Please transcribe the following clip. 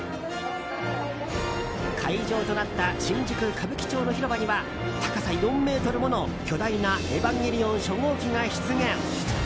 会場となった新宿・歌舞伎町の広場には高さ４ｍもの巨大なエヴァンゲリオン初号機が出現。